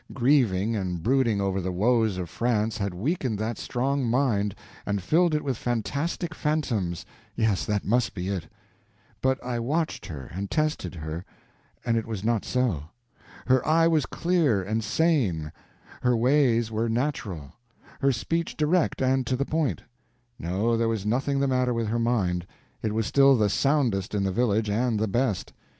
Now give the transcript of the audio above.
Grieving and brooding over the woes of France had weakened that strong mind, and filled it with fantastic phantoms—yes, that must be it. But I watched her, and tested her, and it was not so. Her eye was clear and sane, her ways were natural, her speech direct and to the point. No, there was nothing the matter with her mind; it was still the soundest in the village and the best.